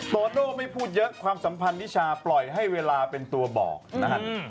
โตโน่ไม่พูดเยอะความสัมพันธ์นิชาปล่อยให้เวลาเป็นตัวบอกนะครับ